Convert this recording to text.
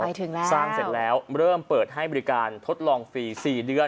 ไปถึงแล้วสร้างเสร็จแล้วเริ่มเปิดให้บริการทดลองฟรีสี่เดือน